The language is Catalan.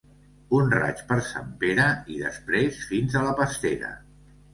Un raig per Sant Pere i després fins a la pastera.